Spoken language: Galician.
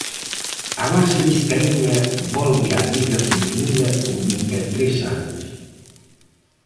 A base biscaíña volve á Liga feminina con vinte e tres anos.